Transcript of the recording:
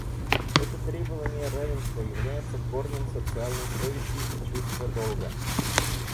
Это требование равенства является корнем социальной совести и чувства долга.